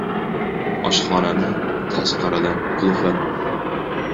Oshxonani tashqaridan qulfladim.